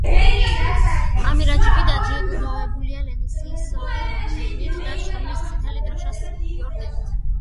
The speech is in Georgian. ამირაჯიბი დაჯილდოებულია ლენინის ორდენით და შრომის წითელი დროშის ორდენით.